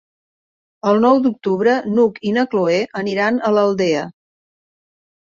El nou d'octubre n'Hug i na Cloè aniran a l'Aldea.